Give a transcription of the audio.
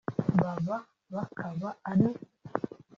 aba bakaba ari